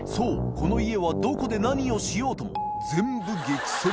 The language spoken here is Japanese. この家はどこで何をしようとも磴修